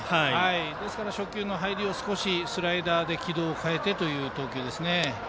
ですから、初球の入りを少しスライダーで軌道を変えてという投球ですね。